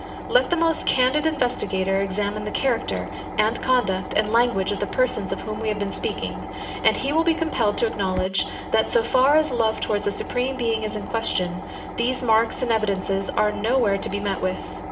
Let the most candid investigator examine the character, and conduct, and language of the persons of whom we have been speaking; and he will be compelled to acknowledge, that so far as love towards the Supreme Being is in question, these marks and evidences are no where to be met with.